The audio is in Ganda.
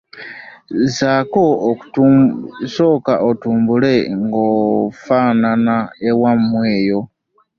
Sooka otubuulire n'agafa ewammwe eyo.